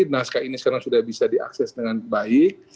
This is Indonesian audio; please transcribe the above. naskah ini sekarang sudah bisa diakses dengan baik